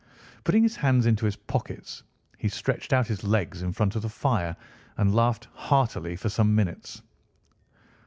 Putting his hands into his pockets, he stretched out his legs in front of the fire and laughed heartily for some minutes.